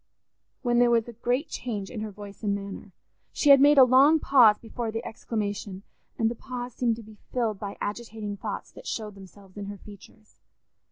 when there was a great change in her voice and manner. She had made a long pause before the exclamation, and the pause seemed to be filled by agitating thoughts that showed themselves in her features.